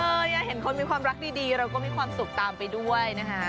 เห็นคนมีความรักดีเราก็มีความสุขตามไปด้วยนะคะ